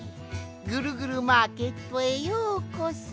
ぐるぐるマーケットへようこそ。